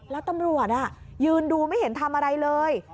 แล้วตำรวจยืนดูไม่เห็นทำอะไรเลย